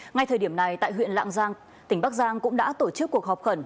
ngay thời điểm này tại huyện lạng giang tỉnh bắc giang cũng đã tổ chức cuộc họp khẩn